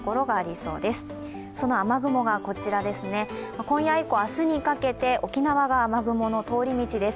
その雨雲がこちら、今夜以降明日にかけて、沖縄は雨雲の通り道です。